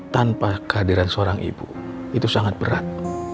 tanpa kehadiran seorang ibu itu sangat berat